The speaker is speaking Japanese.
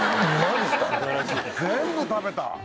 全部食べた！